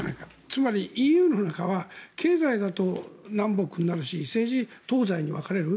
つまり、ＥＵの中は経済だと南北になるし政治は東西に分かれる。